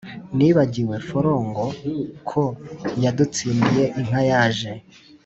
Nibagiwe Forongo , ko yadutsindiye inka yaje